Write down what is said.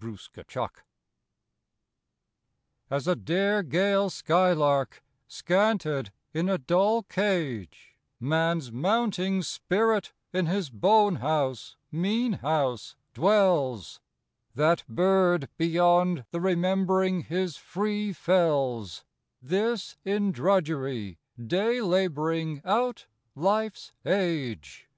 '5 Caged Skylark As a dare gale skylark scanted in a dull cage Man's mounting spirit in his bone house, mean house, dwells That bird beyond the remembering his free fells ; This in drudgery, day laboui ing out life's age.